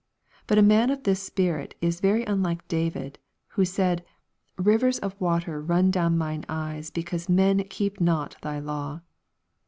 But a man of this spirit is very unlike David, who said, " rivers of waters run down mine eyes, because men keep not thy law."